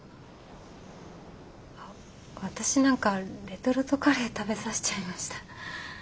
私なんかレトルトカレー食べさせちゃいました。